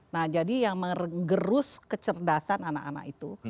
nah jadi yang mengerus kecerdasan anak anak itu